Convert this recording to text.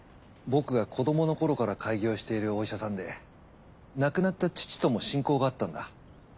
僕が子どものころから開業しているお医者さんで亡くなった父とも親交があったんだ。